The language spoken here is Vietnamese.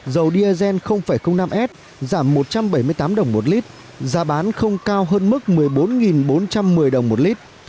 dầu diesel năm s giảm một trăm bảy mươi tám đồng một lít giá bán không cao hơn mức một mươi bốn bốn trăm một mươi đồng một lít